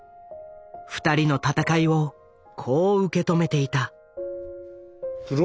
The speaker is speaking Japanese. ２人の戦いをこう受け止めていた。